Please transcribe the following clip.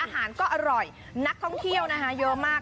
อาหารก็อร่อยนักท่องเที่ยวนะคะเยอะมาก